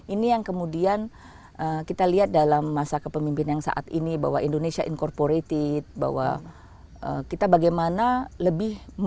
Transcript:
ini yang kemudian kita lihat dalam masa kepemimpinan saat ini bahwa indonesia incorporated